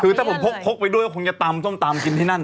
คือถ้าผมพกไปด้วยก็คงจะตำส้มตำกินที่นั่น